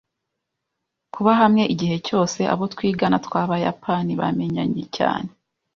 Kuba hamwe igihe cyose, abo twigana twabayapani bamenyanye cyane.